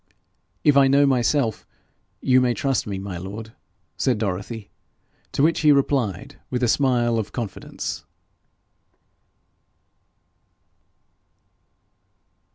'If I know myself, you may trust me, my lord,' said Dorothy, to which he replied with a smile of confidence.